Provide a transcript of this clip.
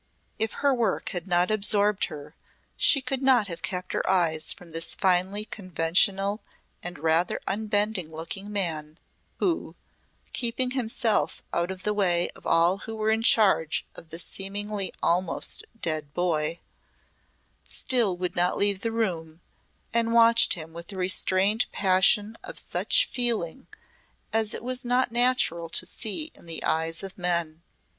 If her work had not absorbed her she could not have kept her eyes from this finely conventional and rather unbending looking man who keeping himself out of the way of all who were in charge of the seemingly almost dead boy still would not leave the room, and watched him with a restrained passion of such feeling as it was not natural to see in the eyes of men.